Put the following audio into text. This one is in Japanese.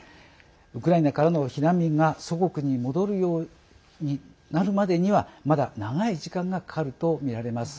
ウクライナからの避難民が祖国に戻るようになるまでにはまだ長い時間がかかるとみられます。